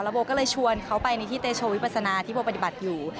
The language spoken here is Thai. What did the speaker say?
โบก็เลยชวนเขาไปในที่เตโชวิปัสนาที่โบปฏิบัติอยู่